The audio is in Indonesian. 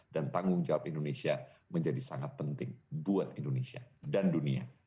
dan tanggung jawab indonesia menjadi sangat penting buat indonesia dan dunia